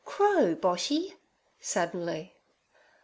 crow, Boshy' suddenly.